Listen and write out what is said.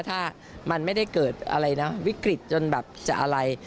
ถ้ามันไม่ได้เกิดอะไรนะวิกฤตจนแบบจะอะไร